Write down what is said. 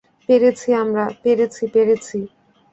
পেরেছি আমরা, পেরেছি, পেরেছি।